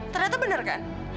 ternyata bener kan